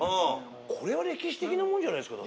これは歴史的なもんじゃないですか？